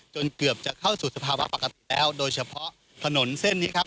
เกือบจะเข้าสู่สภาวะปกติแล้วโดยเฉพาะถนนเส้นนี้ครับ